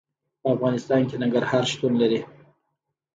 په افغانستان کې ننګرهار شتون لري.